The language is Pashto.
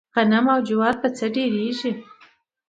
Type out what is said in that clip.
غنم او جوار په څۀ ډېريږي؟